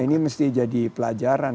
ini mesti jadi pelajaran